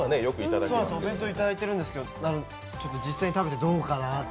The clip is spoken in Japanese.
お弁当いただいているんですけど、実際食べてどうかなと。